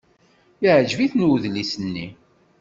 Yeɛjeb-iten udlis-nni.